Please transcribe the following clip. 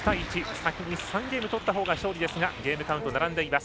先に３ゲーム取ったほうが勝利ですがゲームカウント並んでいます。